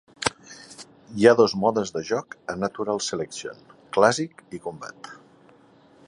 Hi ha dos modes de joc a Natural Selection: Clàssic i Combat.